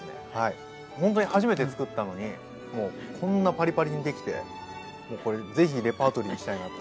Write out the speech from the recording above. ほんとに初めて作ったのにこんなパリパリにできてこれ是非レパートリーにしたいなと。